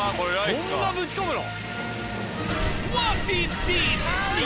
そんなぶち込むの？